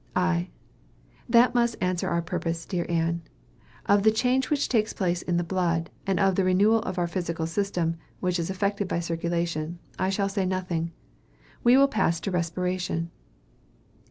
I. That must answer our purpose, dear Ann. Of the change which takes place in the blood, and of the renewal of our physical system, which is effected by circulation, I shall say nothing. We will pass to respiration.